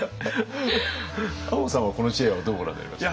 亞門さんはこの知恵はどうご覧になりました？